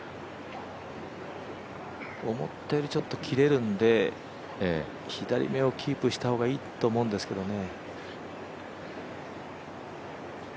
思ったよりちょっと切れるので、左目をキープした方がいいと思うんですけどね。